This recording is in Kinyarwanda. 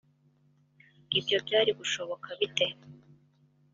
ibyo byari gushoboka bite